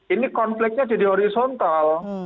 ini konfliknya jadi horizontal